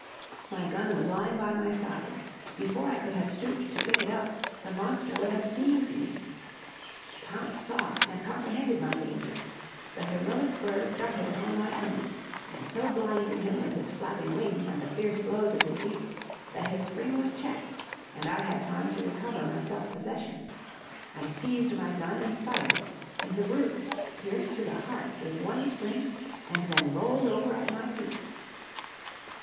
"My gun was lying by my side. Before I could have stooped to pick it up, the monster would have seized me. "Pounce saw and comprehended my danger: the heroic bird darted upon my enemy, and so blinded him with his flapping wings, and the fierce blows of his beak, that his spring was checked, and I had time to recover my self possession. I seized my gun, and fired; and the brute, pierced to the heart, gave one spring, and then rolled over at my feet.